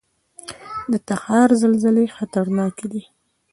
د تخار زلزلې خطرناکې دي